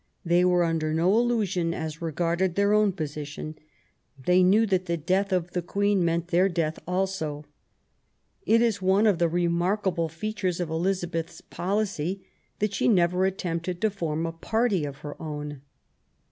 They were under no illusion as regarded their own position ; they knew that the death of the Queen meant their death also. It is one of the remarkable features of Elizabeth's policy that she never attempted to form a party of her own.